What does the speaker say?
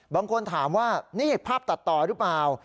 บางคนถามว่านี่ภาพตัดต่อหรือเปล่า